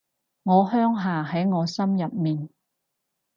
我鄉下喺我心入面